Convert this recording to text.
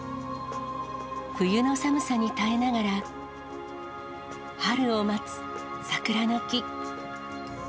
冬の寒さに耐えながら、春を待つ桜の木。